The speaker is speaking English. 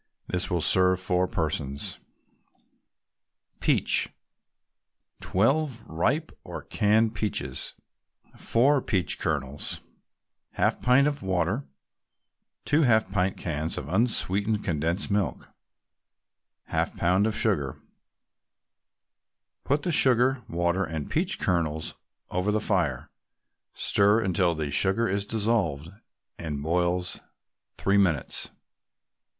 This will serve four persons. PEACH 12 ripe or canned peaches 4 peach kernels 1/2 pint of water 2 half pint cans of unsweetened condensed milk 1/2 pound of sugar Put the sugar, water and peach kernels over the fire; stir until the sugar is dissolved, and boil three minutes.